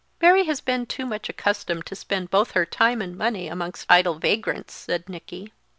"Mary has been too much accustomed to spend both her time and money amongst idle vagrants," said Nicky.